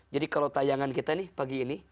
jadi kalau tayangan kita nih pagi ini